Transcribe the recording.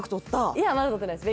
いやまだ取ってないです